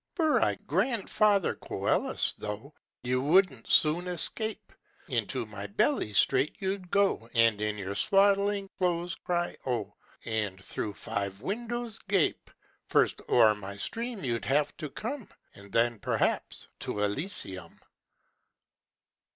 "Were I grandfather Coelus, though, You wouldn't soon escape! Into my belly straight you'd go, And in your swaddling clothes cry 'oh!' And through five windows gape! First o'er my stream you'd have to come, And then, perhaps, to Elysium!